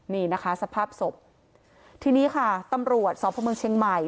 นี่นะคะสภาพศพทีนี้ค่ะตำรวจสพเมืองเชียงใหม่